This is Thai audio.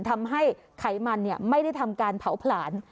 ไขมันไม่ได้ทำการเผาผลาญ